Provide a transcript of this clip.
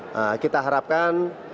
nah kita harapkan